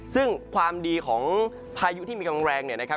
ซึ่งความดีของพายุที่มีกำลังแรงเนี่ยนะครับ